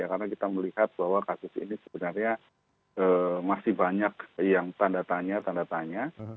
karena kita melihat bahwa kasus ini sebenarnya masih banyak yang tanda tanya tanda tanya